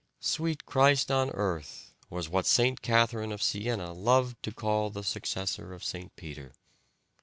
"Sweet Christ on earth," was what St. Catherine of Siena loved to call the successor of St. Peter.